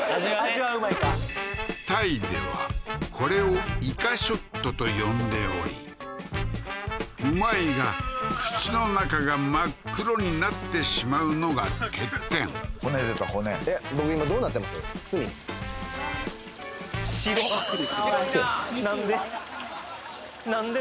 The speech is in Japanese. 味はうまいかタイではこれをイカショットと呼んでおりうまいが口の中が真っ黒になってしまうのが欠点骨出た骨白っ白いななんで？